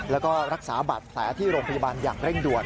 แล้วก็รักษาบาดแผลที่โรงพยาบาลอย่างเร่งด่วน